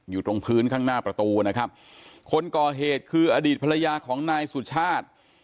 อยู่ตรงพื้นข้างหน้าประตูนะครับคนก่อเหตุคืออดีตภรรยาของนายสุชาติ